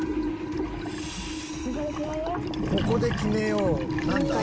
「ここで決めようなんだ？」